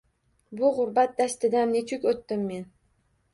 Bu g‘urbat dashtidan nechuk o‘tdim men